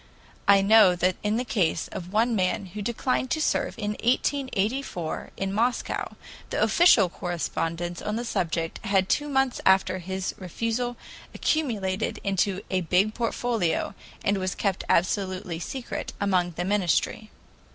I know that in the case of one man who declined to serve in 1884 in Moscow, the official correspondence on the subject had two months after his refusal accumulated into a big folio, and was kept absolutely secret among the Ministry.